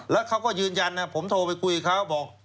แล้วเขาก็ยืนยันนะผมโทรไปคุยกับเขาบอก